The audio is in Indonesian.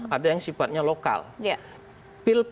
ada yang sifatnya lokal